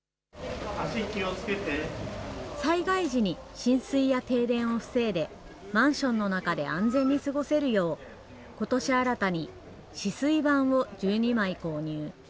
災害時に浸水や停電を防いで、マンションの中で安全に過ごせるよう、ことし新たに止水板を１２枚購入。